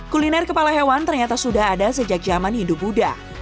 kuliner kepala hewan ternyata sudah ada sejak zaman hindu buddha